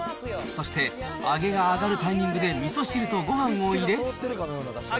そして揚げが揚がるタイミングでみそ汁とごはんを入れ。